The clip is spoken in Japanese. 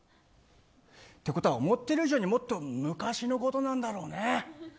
ってことは、思っている以上にもっと昔のことなんだろうね。